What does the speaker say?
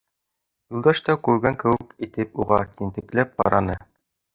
Юлдаш тәү күргән кеүек итеп уға ентекләп ҡараны.